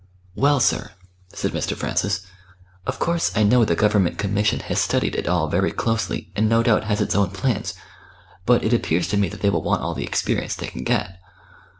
"Well, sir," said Mr. Francis, "of course I know the Government Commission has studied it all very closely, and no doubt has its own plans. But it appears to me that they will want all the experience they can get."